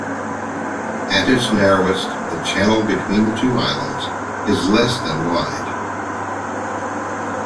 At its narrowest, the channel between the two islands is less than wide.